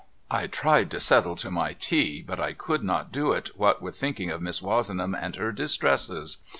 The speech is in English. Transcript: I tried to settle to my tea but I could not do it what with thinking of Miss Wozenham and her distresses.